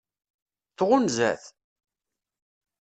Tɣunza-t?